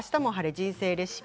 人生レシピ」